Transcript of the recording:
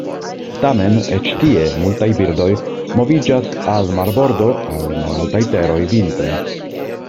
Tamen eĉ tie multaj birdoj moviĝas al marbordo aŭ malaltaj teroj vintre.